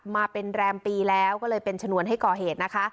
มาเป็นแรมปีแล้วก็เลยเป็นชนวนให้ก่อเหตุนะคะ